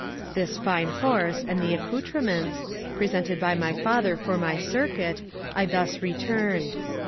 This fine horse and the accoutrements, presented by my father for my circuit, I thus returned.